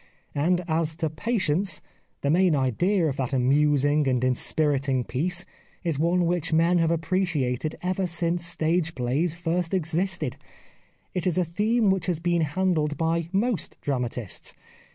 And as to ''■ Patience " the main idea of that amusing and inspiriting piece is one which men have appreciated ever since stage plays first existed. It is a theme which has been handled by most dramatists.